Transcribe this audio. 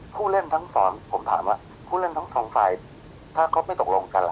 ผู้เล่นทั้งสองผมถามว่าผู้เล่นทั้งสองฝ่ายถ้าเขาไม่ตกลงกันล่ะ